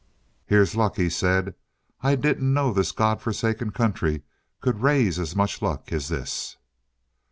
"Here's luck," he said. "I didn't know this God forsaken country could raise as much luck as this!"